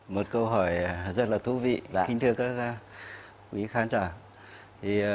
một câu hỏi rất là thú vị là kính thưa các quý khán giả